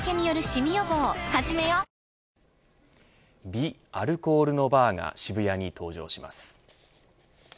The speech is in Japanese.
微アルコールのバーが渋谷に登場します。